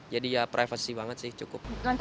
jadi ya privasi banget sih cukup